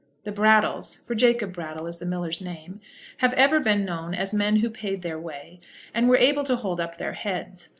The Brattles, for Jacob Brattle is the miller's name, have ever been known as men who paid their way, and were able to hold up their heads.